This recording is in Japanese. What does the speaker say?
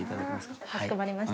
かしこまりました。